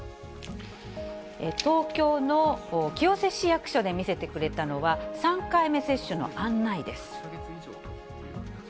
東京の清瀬市役所で見せてくれたのは、３回目接種の案内です。